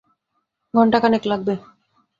ঘণ্টা খানেক লাগবে।